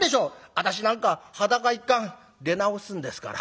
私なんか裸一貫出直すんですから」。